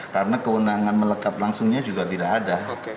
karena kewenangan melekat langsungnya juga tidak ada